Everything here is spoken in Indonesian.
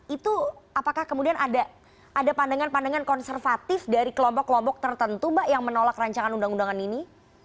itu apakah kemudian ada pandangan pandangan konservatif dari kelompok kelompok tertentu mbak yang menolak rancangan undang undangan ini